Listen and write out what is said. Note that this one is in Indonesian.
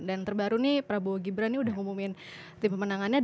dan terbaru nih prabowo gibran ini udah ngumumin tim pemenangannya